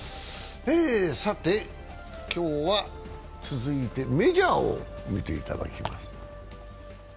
今日は続いてメジャーを見ていただきます。